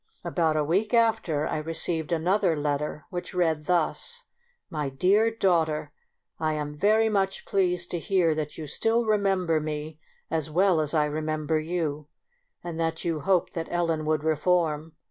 About a week after I received another letter which read thus :— My dear Daughter, — I am very much pleased to hear that you still remember me as well as I remem ber you, and that you hoped that Ellen would reform.